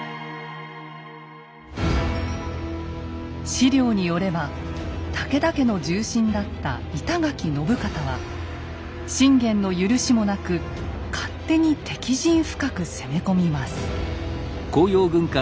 史料によれば武田家の重臣だった板垣信方は信玄の許しもなく勝手に敵陣深く攻め込みます。